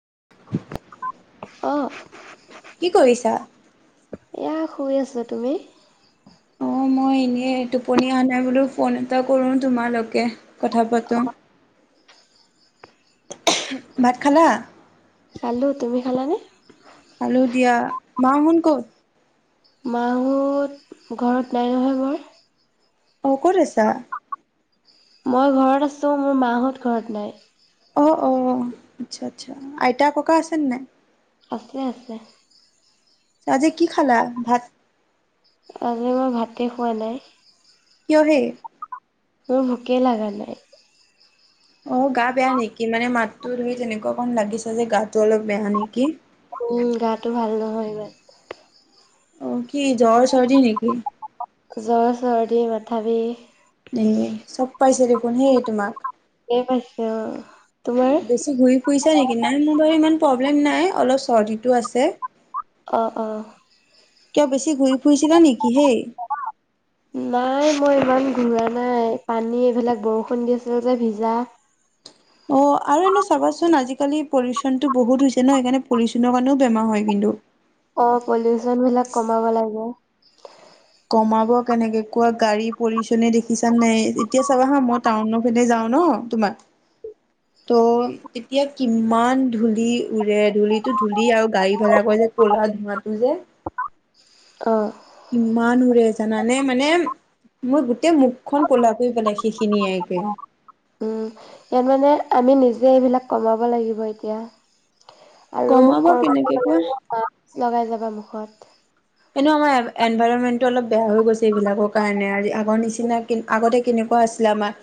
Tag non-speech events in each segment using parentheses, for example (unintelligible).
(inaudible) অ' কি কৰিছা? এয়া শুই আছো তুমি। অ মই এনেই টোপনি অহা নাই বোলো ফোন এটা কৰোঁ তোমালেকে কথা পাতো। ভাত খালা? খালো তুমি খালানে? মাহত ক'ত? মাহোত ঘৰত নাই নহয় বৰ। অ ক'ত আছা? মই ঘৰত আছো মোৰ মাহঁত ঘৰত নাই? অ অ আচ্ছা আচ্ছা আইতা ককা আছেনে নাই? আছে আছে। চ আজি কি খালা ভাত? আজি মই ভাতে খোৱা নাই। কিয়ৰে। মোৰ ভোকে লগা নাই। অ গা বেয়া নেকি? মানে মাতটো ধৰি তেনেকুৱা কণ লাগিছে যে গাটো অলপ বেয়া নেকি? উম গাটো ভাল নহয় ইমান। অ কি জ্বৰ চৰ্দি নেকি। জ্বৰ চৰ্দি মাথা বিষ। এ চব পাইছে দেখোন সেই তোমাক। ধেৰ পাইছে অ'। তোমাৰ? বেছি ঘূৰি ফুৰিছা নেকি নাই মোৰ বাৰু ইমান প্ৰব্লেম নাই অলপ চৰ্দিটো আছে অ অ কিয় বেছি ঘূৰি ফুৰিছিলা নি? নাই মই ইমান। ঘূৰা নাই পানী এইবিলাক বৰষুণ দি আছিল যে ভিজা। অ আৰু এনে চাবাচোন আজিকালি পলিউচনতটো বহুত হৈছে ন সেইকাৰণে পলিউচনৰ কাৰণেও বেমাৰ হয় কিন্তু। অ পলিউচন বিলাক কমাব লাগে। কমাব কেনেকে কোৱা গাড়ীৰ পলিউচন এ দেখিছা নাই এতিয়া চাবা হা মই টাউন পিনে যাও ন তোমাৰ ত' এতিয়া কিমান ধূলি উৰে ধূলিটো। ধূলি আৰু গাড়ী ভাড়া কৰে যে ক'লাত। ম তো যে অ কিমান ৰে জানানে মানে মই গোটেই মুখখন কলা কৰি পেলাই শিষ। উম ইয়াত মানে। আমি নিজে এইবিলাক কমাব লাগিব এতিয়া? আৰু কমাব কৰবাত কেনেকে গলে কোৱা? মাছ লগাই যাবা মোক। কত এনেও আমাৰ এনভাইৰণমেন্টটো অলপ বেয়া হৈ গৈছে এইবিলাকৰ কাৰণে আ আগৰ নিচিনা আগতে কেনেকুৱা আছিলে আমাৰ।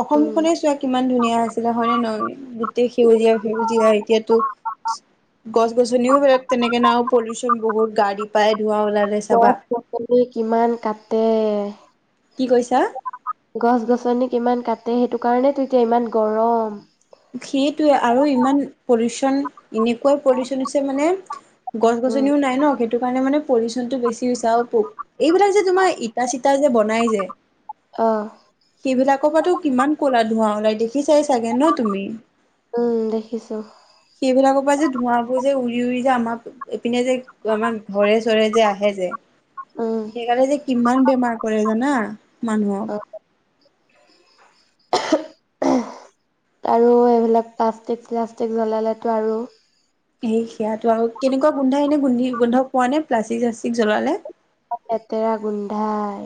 অসম উম। খনে চোৱা কিমান ধুনীয়া। য়া আছিলে হয়নে ন। সেউজীয়া সেউজীয়া এতিয়াতো গছ গছনিও তেনেকে না পলিউচন বহুত গাড়ী। পাই ধোৱা ওলালে গ চাবা পচনি কিমান কাটে। কি কৈছা গছ গছনি কিমান কাটি। তাতে সেইটো কাৰণে তো এতিয়া ইমান গৰম। সেইটোৱে আৰু ইমান পলিউচন এনেকুৱাই পলিউচন আছে মানে। গছ উম, গছনিও নাই ন সেইটো কাৰণে মানে। পলিউচন টো বেছি হৈছে আৰু পোক এইবিলাক যে তোমাৰ ইটা চিটা যে বনাই যে। আহ কাতো কিমান কলা ধোবা ওলাই দেখি চাই চাগে। তুমি উম, দেখিছো, সেইবিলাকৰ পৰা যে ধোঁৱাবোৰ। যে উৰি উৰি যে আমাক এইপিনে যে আমাৰ ঘৰে চৰে যে আহে যে। উম, সেইকাৰণে যে কিমান বেমাৰ কৰে জানো। নাহ। মানুহক? অ'। আৰু এইবিলাক প্লাষ্টিক চলাষ্টিক জ্বলালেতো আৰু। সেই সেয়াটো আৰু কেনেকুৱা গোন্ধা এনে গোন্ধি গোন্ধ পোৱা নে প্লাষ্টিক চািক জ্বলালে? লেতেৰা গোন্ধাই।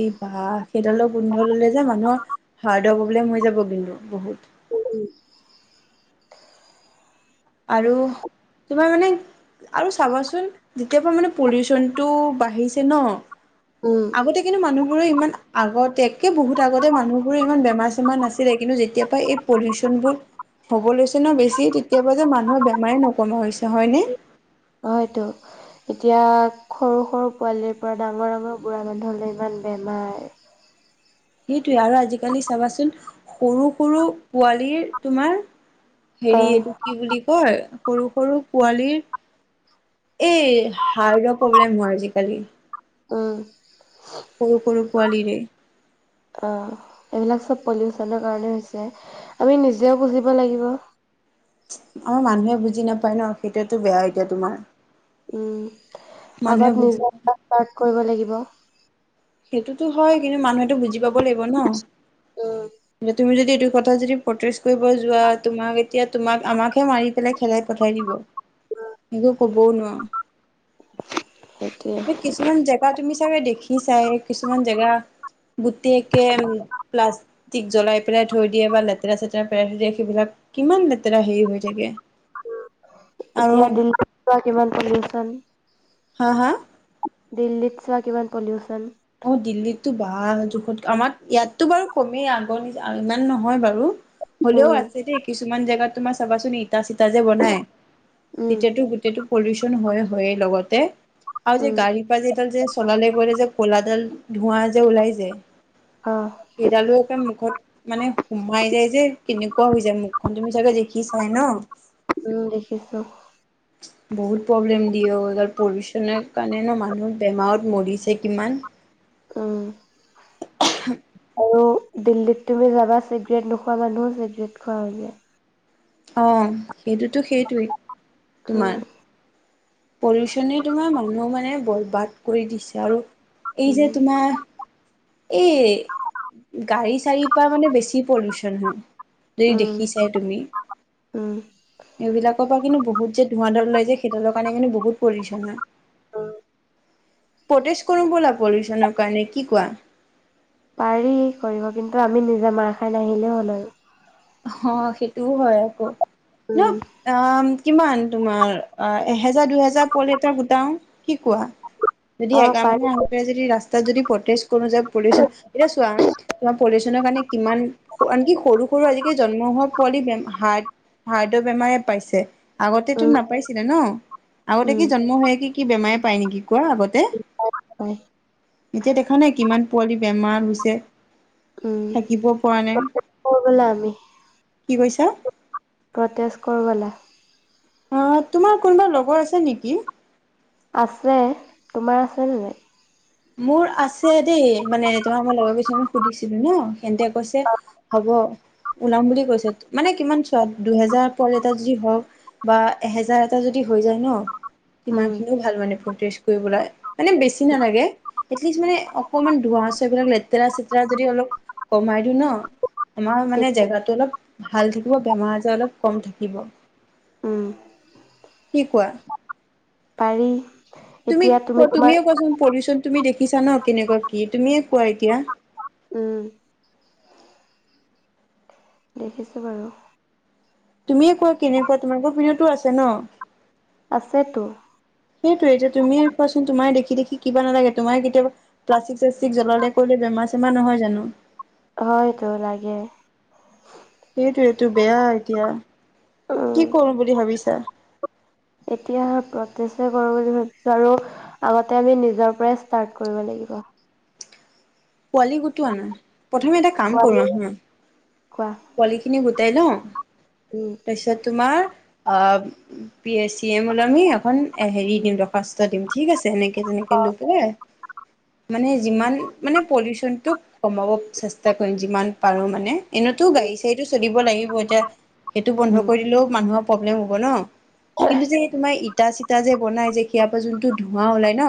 এই বাহ সেইডালৰ গোন্ধ ললে যে মানুহৰ। হাৰ্টৰ প্ৰব্লেম হৈ যাব কিন্তু বহুত। উ আৰু তোমাৰ মানে আৰু চাবাচোন, যেতিয়াবা মানে পলিউচনটো বাঢ়িছে ন। উম, আগতে কিন্তু মানুহ। ৰে ইমান আগতে একে বহুত আগতে মানুহ বোৰে ইমান বেমাৰ চেমাৰ নাছিলে, কিন্তু যেতিয় পৰাা এই পলিউচন বোৰ হ'ব লৈছে ন বেছি তেতিয়া। যে মানুহৰ বেমাৰে নকমোৱা হৈছে হয়নে। হয়তো এতিয়া সৰু সৰু পোৱালিৰ পৰা ডাঙৰ ডাঙৰ বুঢ়া মানুহলৈ ইমান বেমাৰ। সেইটোৱে আৰু আজিকালি চাবাচোন সৰু সৰু পোৱালীৰ তোমাৰ। হেৰি অ'। এইটো কি বুলি কয়। সৰু সৰু পোৱালীৰ এই হাৰ্টৰ প্ৰব্লেম হয় আজিকালি। অঁ। (unintelligible) পোৱালিৰে। অ, এইবিলাক চব পলিউশনৰ কাৰণে হৈছে আমি নিজেও বুজিব লাগিব। আমাৰ মানুহে বুজি নাপায় ন সেইটোয়াতো বেয়া এতিয়া তোমাৰ। উম। মানুহে আগত বুজি নিজৰ ক াৰট কৰিব লাগিব (unintelligible) সেইটোতো হয় কিন্তু মানুহেতটো বুজি পাব লাগিব ন। উম, তুমি যদি এইটো। কথা যদি পষ্ট্ৰেচ কৰিব যোৱা তোমাক এতিয়া তোমাক আমাকহে মাৰি পেলাই খেলাই পঠাই দিব। এইক ক'বও ন (unintelligible) সেইটোৱে, কিছুমান জেগা তুমি চাগে দেখিছা। চাই কিছুমান জেগা গোটকে প্লাষ্টিক জ্বলাই পেলাই থৈ দিয়ে বা লেতেৰা চেতেৰা পেলাই থৈ দিয়ে সেইবিলাক কিমান লেতেৰা হেৰি হৈ থাকে। আৰু এতিয়া দিল্লী যোৱা কিমান পলউচন। হা হা। দিল্লীত চোৱা কিমান পলউচন। অ দিল্লীততো বাল জোখত আমাৰ ইয়াততো বাৰু কমেই আগৰ নি ইমান নহয় বাৰু। হ'লেও উম, আছে দেই। কিছুমান জেগাত তোমাৰ চাবাচোন ইটা চিটা যে বনাই। উম, তেতিয়াতো গোটেইটো। পলিউশন হৈয়ে লগতে। আৰু যে উম, গাড়ী পা যে। যে চলালে গলে যে কলাডাল ধোঁৱা যে ওলাই যে, অ', সেইডালো একে মুখত মানে সুমাই যায় যে কেনেকুৱা হৈ যায় মুখখন তুমি চাগে দেখি চাই ন। উম, দেখিছো। বহুত প্ৰব্লেম দিয়ে, এইডাল পলিউচনৰ কাৰণে ন মানুহ বেমাৰত মৰিছে কিমান। উম। (inaudible) আৰু দিল্লীত তুমি যাবা চিগৰেট নোখোৱা মানুহো চিগৰেট খোৱা হৈ যায়। অঁ। সেইটোতো সেইটোৱেই তোমাৰ উম, পলিউচনে তোমাৰ মানুহ মানে বৰবাদ কৰি দিছে আৰু এই যে উম, তোমাৰ এই গাৰি-চাৰি পৰা মানে বেছি পলিউচন হয়। যদি উম, দেখিছাই তুমি, উম, এইবিলাকৰ পৰা কিন্তু বহু বহুত যে ধোঁৱা দাল উলাই যে, সেইডালৰ কাৰণে কিন্তু বহুত পলিউচন হয়। ওম প্ৰটেষ্ট কৰো ব'লা, পলিউচনৰ কাৰণে কি কোৱা? পাৰি কৰিব কিন্তু আমি নিজে মাৰ খাই নাহিলে হ'ল আৰু। অ সেইটোও হয় আৰু (unintelligible) ন উম, অম কিমান তোমাৰ এহেজাৰ দুহেজাৰ (unintelligible) গোটাও কি কোৱা? যদি অ', এগাল পাৰি, মানে আহি পৰে যদি ৰাস্তা ত যদি প্ৰটে কোনো যায় পলিউচন, এতিয়া চোৱা তোমাৰ পলিউচনৰ কাৰণে কিমান, আনকি সৰু সৰু আজিকালি জন্ম হোৱা পোৱালি বে হাৰ্ট-হাৰ্টৰ বেমাৰে পাইছে। আগতেতো উম। নাপাইছিলে ন, আগতে উম কি জন্ম হৈয়েই কি কি বেমাৰে পায় নেকি কোৱা আগতে, পাই এতিয়া দেখা নাই কিমান পোৱালি বেমাৰ হৈছে থাকিব পৰা নাই ওম কৰিবলে আমি। কি কৈছা? প্ৰটেছ কৰো বলা। অ তোমাৰ কোনোবা লগৰ আছে নেকি? আছে, তোমাৰ আছে নে নাই? মোৰ আছে দেই মানে তোমাৰ মই লগৰ কিছুমান সুধিছিলো ন তেন্তে কৈছে হ'ব ওলাম বুলি কৈছে মানে কিমান চোৱা দুহেজাৰ পোৱালি এটা যদি হওক বা এহেজাৰ এটা যদি হৈ যায় ন ইমান উম খিনিও ভাল মানে প্ৰতি ফুৰিবলৈ মানে বেছি নালাগে। এটলিষ্ট মানে অকমান ধোঁৱা চে এইবিলাক লেতেৰা চেতেৰা যদি অলপ কমাই দিওঁ ন আমাৰ মানে তেতিয়া জেগাটো অলপ। ভাল থাকিব বেমাৰ আজাৰ অলপ কম থাকিব। উম কি কোৱা। পাৰি তুমি এতিয়া কোৱা তোমাৰ তুমিয়ে কোৱাচোন পলিউচন তুমি দেখি দেখিছা ন কেনেকুৱা কি তুমিয়ে কোৱা এতিয়া। উম দেখিছে বাৰু তুমিয়ে কোৱা কেনেকুৱা তোমালোকৰ পিনতো আছে ন আছেটো সেইটো যে তুমিয়ে কোৱাচোন তোমাৰ দেখি দেখি কিবা নালাগে তোমাৰ কেতিয়াবা প্লাষ্টিক চাছতিক জ্বলালে কৰিলে বেমাৰ চেমাৰ নহয় জানোঁ হয়টো লাগে। সেইটো এইটো বেয়া এতিয়া। উম কি কৰোঁ বুলি ভাবিছা। এতিয়া প্ৰতেছে কৰোঁ বুলি ভাবিছোঁ আৰু আগতে আমি নিজৰ পৰাই ষ্টাৰ্ট কৰিব লাগিব। পোৱালি গোটোৱা না। প্ৰথমে এটা কাম কোৱা কৰোঁ আহা কোৱা। পোৱালি খিনি গোট তেনু। উম তাপিছত তোমাৰ। অ পি এ চি এমলে আমি এখন হেৰি দিম দৰ্খাস্ত দিম ঠিক আছে সেনেকে কেইজনিকে লৈ পেলাই মানে যিমান মানে পলিউচনটো কমাব চেষ্টা কৰিম যিমান পাৰোঁ মানে এনেইটো উম গাৰি চাৰি সেইটো চলিব লাগিব এতিয়া সেইটো বন্ধ উম কৰি দিলেওঁ মানুহক। প্ৰব্লেম হ'ব ন। কিন্তু যে তোমাৰ ইটা চি ইটা যে বনাই যে সিয়াপা যোনটো ধোঁৱা ওলাই ন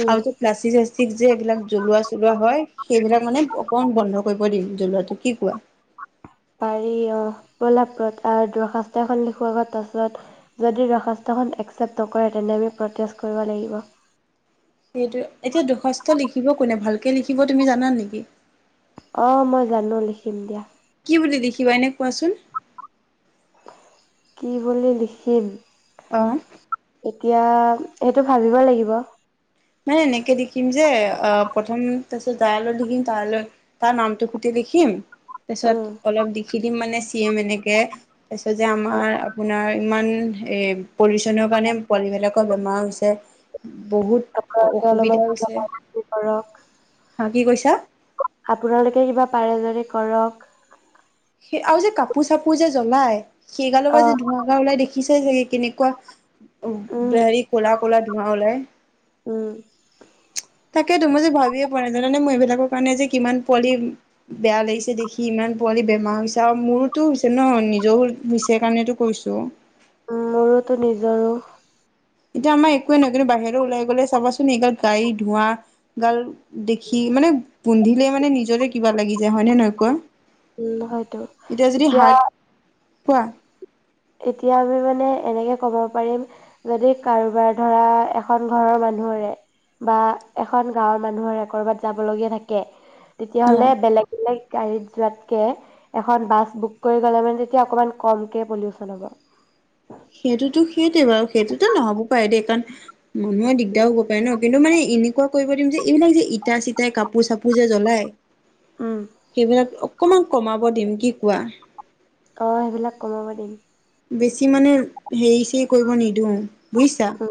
উম আৰু যে প্লাষ্টিক ঠিক যে এইবিলাক জলোৱা জলোৱা হয় সেইবিলাক মানে অকণ বন্ধ কৰিব দিম জ্বলোৱাটো কি কোৱা। পাৰি অ প্ৰলাপ দৰখাস্ত এখন লিখো আগত পাছত যদি দৰখাস্তখন একচেপ্ট নকৰে তেনে আমি প্ৰতেছ কৰিব লাগিব। সেইটো এতিয়া দৰখাস্ত লিখিব কোনে ভালকে লিখিব তুমি জানা নেকি? অ মই জানোঁ লিখিম দিয়া। কি বুলি দেখিবা এনে কোৱাচোন। কি বুলি লিখিম। অ এতিয়া সেইটো ভাবিব লাগিব। মানে এনেকে লিখিম যে আহ প্ৰথম তাৰপিছত তাইলৈ লিখিম তাইলৈ তাৰ নামটো সুধি লিখিম উম তাৰিছত অলপ দি। লিখি দিম মানে চি এমএনেকে তাৰ পিছত যে আমাৰ আপোনাৰ ইমান এ পলিউচনৰ কাৰণে পোৱালী বিলাকৰ বেমাৰ হৈছে বহুত আপোনালোকে অলপ অসুবিধা মান হৈছে আপোনাৰ কৰক হা কি কৈছা আপোনালোকে কিবা পাৰে যদি কৰক সেই আৰু যে কাপোৰ চাপোৰ যে জ্বলায় সেই গালৰ পৰা অ যে ধোঁৱা উলাই দে পিছে হেৰি কেনেকুৱা অ উম দৈ হাৰি খোলা কলা ধোঁৱা ওলাই উম তাকেত তো মই যে ভাবিয়ে পোৱা নাইাজানানে মই এইবিলাকৰ কাৰণে যে কিমান পোৱালি বেয়া লাগিছে দেখি ইমান পোৱালি বেমাৰ হৈছে আৰু মোৰোতো হৈছে ন নিজৰ হৈছে কাৰণো কৈছো মোৰোতো নিজৰো এতিয়া আমাৰ একোৱে নহয় কিন্তু বাহিৰ ওলাই গ'লে চাবাচোন এইগাল গাড়ী ধোঁৱা গাল দেখি মানে গোন্ধিলে মানে নিজৰে কিবা লাগি যায় হয় নহয় কোৱা উম হয়তো যদি এতিয়া হাৰ্ট কোৱা এতিয়া আমি মানে এনেকে ক'ব পাৰিম যদি কাৰোবাৰ ধৰা এখন ঘৰৰ মানুহৰে বা এখন গাঁৱৰ মানুহৰে ক'বাত যাবলগীয়া থাকে অ তেতিয়াহ'লে বেলেগ বেলেগ গাড়ীত যোৱাতে এখন বাছ বুক কৰি গলে অকমান কম কে পলিউ শুদ্ধ অংক সেইটোতো সেইটোৱে বাৰু সেইটোতো নহব পাৰে দেই কাৰণ মানুহৰ দিগদাৰ হব পাৰে ন কিন্তু মানে এনেকুৱা কৰিব দিম যে এইবিলাক যে ইটা চিটাই কাপোৰ চাপোৰ যে জ্বলাই উম, সেইবিলাক অকণমান কমাব দিম কি কোৱা অ সেইবিলাক কমাব দিম বেছি মানে হেৰি চেৰি কৰিব নিদিওঁ বুজিছা উম,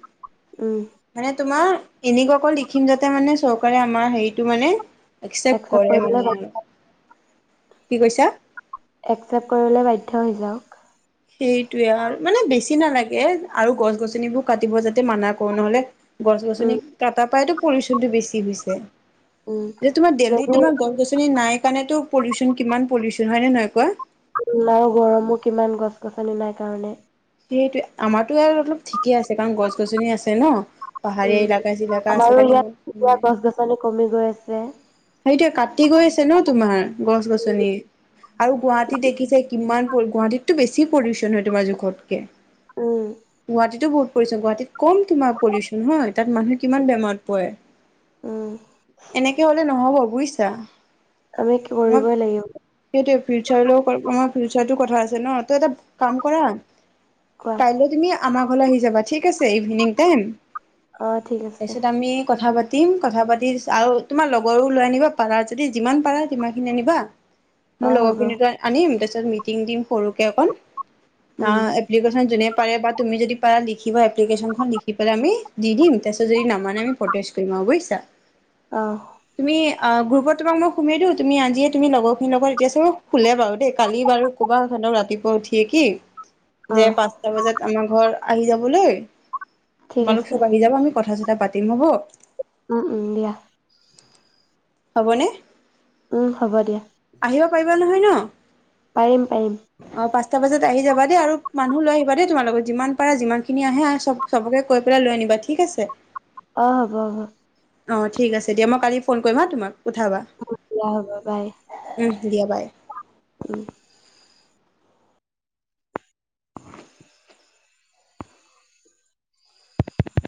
উম, মানে তোমাৰ এনেকুৱা অকল সেইখিনি মানে চৰকাৰে আমাৰ হেৰিটো মানে এক্সচেপ্ট একচেপ্ট কৰে কৰিবলৈ নে কি কৈছা এক্সচেপ্ট কৰিবলৈ বাধ্য হৈ যাওঁক সেইটোয়ে আৰ মানে বেছি নালাগে আৰু গছ গছনিবোৰ কাটিব যাতে মানা কৰো নহলে গছ গছনি উম, তাপইতো পাইতো পলিউচন টো বেছি হৈছে উম, এতিয়া তোমাৰ দিল্লীত যদি তোমাৰ গছ গছনি নাই সেইকাৰণেতো পলিউচন কিমান পলিউচন হয় নে নহয় কোৱা আৰু ইমান গৰম কিমান গছ গছনি নাই কাৰণে সেইটোৱে আমাৰতো আৰু অলপ ঠিকে আছে কাৰণ গছ গছনি আছে ন পাহাৰীয়া উম এলেকা চিলাকা আছে আমাৰো কাৰণে ইমান ইয়াত এতিয়া নাই গছ গছনি কমি গৈ আছে এতিয়া কাটি গৈ আছে ন তোমাৰ গছ গছনিৰ আৰু গুৱাহাটীত দেখিছে কিমান গুৱাহাটীততো বেছি পলিউচন হয় তোমাৰ জোখতকে। উম, গুৱাহাটীতো বহুত গুৱাহাটীত কম তোমাৰ পলিউচন হয় তাত মানুহে কিমান বেমাৰত পৰে। উম, এনেকে হ'ল হ'ব বুজিছা। আমি কি কৰিবই লাগিব। সেই ফিউচাৰলৈ ফিউচাটো কথা আছে ন তই এটা কাম কৰা? কোৱা। কাইলৈ তুমি আমাক ঘৰলৈ আহি যাবা ঠিক আছে ইভিনিং টাইম। অ', ঠিক আছে তাৰপিছত আমি কথা পাতিম পাতিম কথা পাতি আৰু তোমাৰ লগৰো লৈ আনিবা পাৰা যদি যিমান পাৰা সিমান খিনি আনিবা। মোৰ অ', লগৰ হ'ব খিনিকো আনিম মিটিং দিম সৰুকে অকণ বা উম, এপ্লিকেশন যেনে পাৰে বা তুমি যদি পাৰা লিখিবা এপ্লিকেশনখন লিখি পেলাই আমি দিম তাৰ পিছত যদি নামানে ফটেজ কৰিম বুজিছা। অহ অ গ্ৰুপত তোমাক মই সোমাই দিওঁ তুমি আজিয়ে তুমি লগৰ মোৰ লগৰ এতিয়া চব হুলে বাৰু দেই কালি বাৰু কবা সিহঁতক ৰাতিপুৱা উঠিয়ে কি যে অ', পাঁচটা বজাত আমাৰ ঘৰ আহি যাবলৈ ঠিক তোমালোক আছে। চব আহি যাব আমি কথা চতা কথা পাতিম হ'ব। উম উম দিয়া। হ'বনে? উম হ'ব দিয়া। আহিব পাৰিবা নহয় ন? অ পাৰিম, পাৰিম, পাঁচটা বজাত আহি যাবা দেই আৰু মানুহ লৈ আহিবা দেই তোমাৰ লগত যিমান পাৰা যিমান খিনি আহে চব চবকে কৈ পেলাই লৈ আনিবা ঠিক আছে। অ হ'ব হব অঁ ঠিক আছে দিয়া মই কালি ফোন কৰিম হা তোমাক। উঠাবা। দিয়া হ'ব বাই। উম দিয়া বাই উম। (unintelligible)